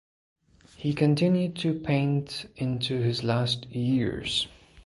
He continued to paint into his last years.